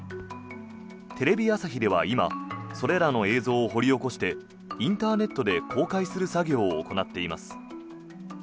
テレビ朝日では今それらの映像を掘り起こしてインターネットで公開する作業を行っています。